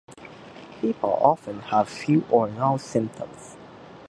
People often have few or no symptoms.